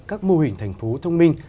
các mô hình thành phố thông minh